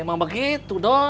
ya emang begitu dong